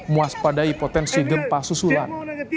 muas padai potensi gempa susulan